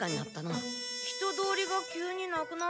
人通りが急になくなったような気が。